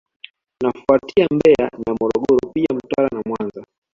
Inafuatia Mbeya na Morogoro pia Mtwara na Mwanza